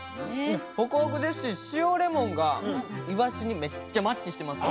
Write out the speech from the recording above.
ホクホクですし、塩レモンがいわしにめっちゃマッチしてます。